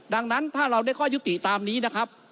ดังนั้นถ้าเราได้ข้อยุติตามนี้นะครับ